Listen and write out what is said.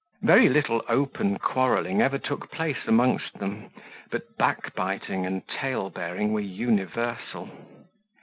Very little open quarrelling ever took place amongst them; but backbiting and talebearing were universal.